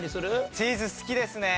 チーズ好きですね。